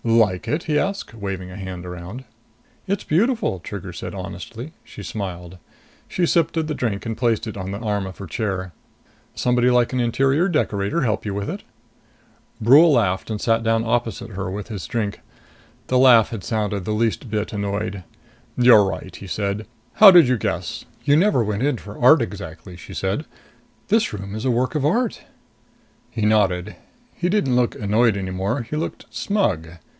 "Like it?" he asked, waving a hand around. "It's beautiful," Trigger said honestly. She smiled. She sipped at the drink and placed it on the arm of her chair. "Somebody like an interior decorator help you with it?" Brule laughed and sat down opposite her with his drink. The laugh had sounded the least bit annoyed. "You're right," he said. "How did you guess?" "You never went in for art exactly," she said. "This room is a work of art." He nodded. He didn't look annoyed any more. He looked smug.